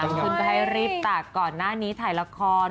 น้ำขึ้นไปรีบตักก่อนหน้านี้ถ่ายละคร